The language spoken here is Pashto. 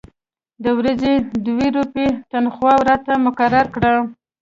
د ورځې دوې روپۍ تنخوا راته مقرره کړه.